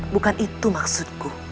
bukan itu maksudku